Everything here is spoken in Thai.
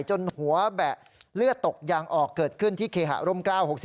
จนหัวแบะเลือดตกยางออกเกิดขึ้นที่เคหาร่ม๙๖๔